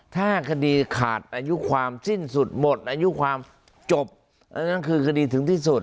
ถ้าคดีขาดอายุความสิ้นสุดหมดอายุความจบอันนั้นคือคดีถึงที่สุด